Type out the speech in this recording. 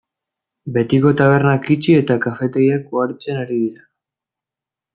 Betiko tabernak itxi eta kafetegiak ugaritzen ari dira.